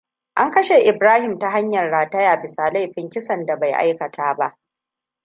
An kashe Ibrahim ta hanyar rataya bisa laifin kisan da bai aikata ba.